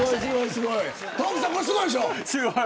すごい。